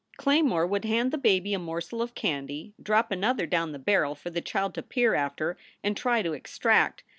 Claymore would hand the baby a morsel of candy, drop another down the barrel for the child to peer after and try to extract.